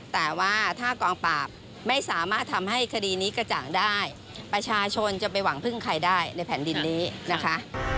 แต่ว่าถ้ากองปราบไม่สามารถทำให้คดีนี้กระจ่างได้ประชาชนจะไปหวังพึ่งใครได้ในแผ่นดินนี้นะคะ